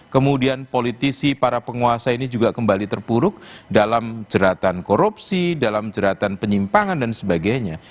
kemudian politisi para penguasa ini juga kembali terpuruk dalam jeratan korupsi dalam jeratan penyimpangan dan sebagainya